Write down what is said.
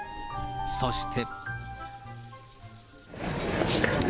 そして。